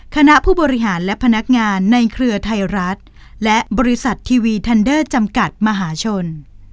คณะผู้บริหารและพนักงานในเครือไทยรัฐและบริษัททีวีทันเดอร์จำกัดมหาชน